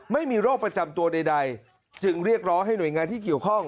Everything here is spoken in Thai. ไม่มีโรคประจำตัวใดจึงเรียกร้องให้หน่วยงานที่เกี่ยวข้อง